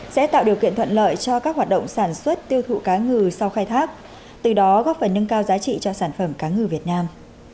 sẽ tạo điều kiện thuận lợi cho các hoạt động sản xuất tiêu thụ cá ngừ sau khai thác từ đó góp phần nâng cao giá trị cho sản phẩm cá ngừ việt nam